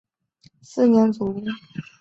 四年卒。